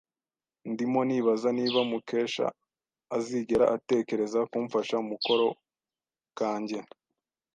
Ndimo nibaza niba Mukesha azigera atekereza kumfasha mukoro kanjye.